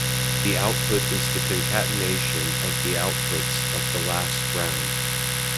The output is the concatenation of the outputs of the last round.